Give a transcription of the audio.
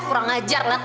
kurang ajar nat